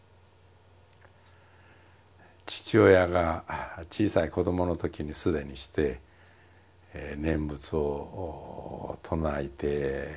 父親が小さい子どものときに既にして念仏を唱えていたわけでした。